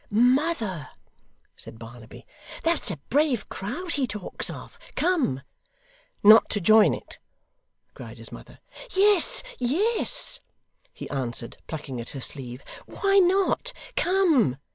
'Mother!' said Barnaby, 'that's a brave crowd he talks of. Come!' 'Not to join it!' cried his mother. 'Yes, yes,' he answered, plucking at her sleeve. 'Why not? Come!